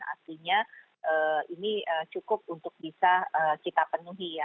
artinya ini cukup untuk bisa kita penuhi ya